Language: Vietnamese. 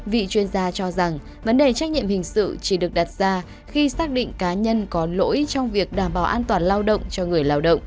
vị chuyên gia cho rằng vấn đề trách nhiệm hình sự chỉ được đặt ra khi xác định cá nhân có lỗi trong việc đảm bảo an toàn lao động cho người lao động